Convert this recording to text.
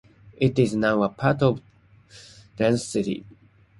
It is now a part of Thane city.